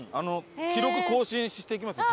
記録更新していきますよ